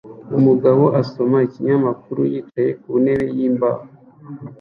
Umugabo asoma ikinyamakuru yicaye ku ntebe yimbaho